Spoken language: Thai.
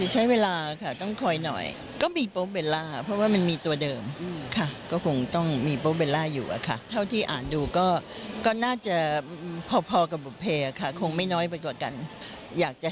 จริงรึเปล่าขยับมาฟังทุกอย่างนี้พร้อมกันเลยค่ะ